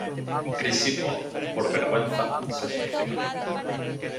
Crisipo, por vergüenza, se suicida.